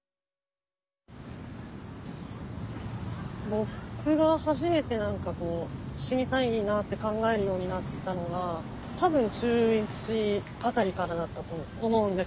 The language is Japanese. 僕が初めて何か死にたいなって考えるようになったのが多分中１辺りからだったと思うんですけど。